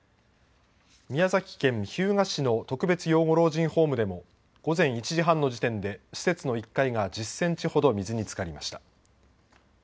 宮崎県日向市の特別養護老人ホームでも午前１時半の時点で施設の１階が１０センチほど水につかりました。